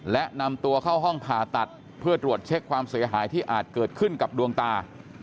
และนำตัวเข้าห้องผ่าตัดเพื่อตรวจเช็คความเสียหายที่อาจเกิดขึ้นกับดวงตา